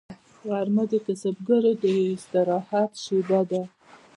غرمه د کسبګرو د استراحت شیبه ده